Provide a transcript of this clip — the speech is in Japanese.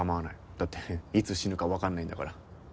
だっていつ死ぬか分かんないんだから。